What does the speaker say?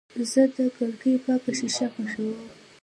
زه د کړکۍ پاکه شیشه خوښوم.